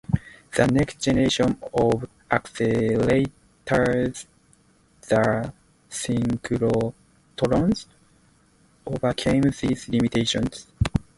The next generation of accelerators, the synchrotrons, overcame these limitations.